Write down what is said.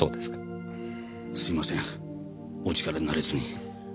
すいませんお力になれずに。